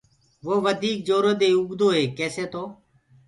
وو وڌيڪ زورو دي اوگدوئي ڪيسي تو